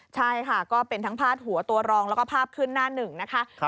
ใช่ค่ะก็เป็นทั้งพาดหัวตัวรองแล้วก็ภาพขึ้นหน้าหนึ่งนะคะ